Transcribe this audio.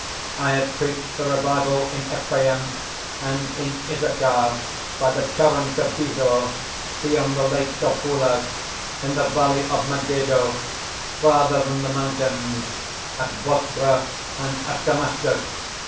"I have preached the revival in Ephraim and in Issachar by the torrent of Bizor, beyond the Lake of Houleh, in the valley of Maggedo, further than the mountains, at Bostra and at Damascus.